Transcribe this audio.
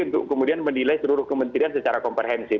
untuk kemudian menilai seluruh kementerian secara komprehensif